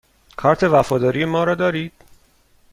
کارت وفاداری ما را دارید؟